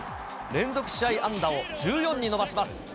連続試合安打を１４に伸ばします。